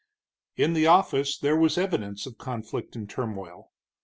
In the office there was evidence of conflict and turmoil.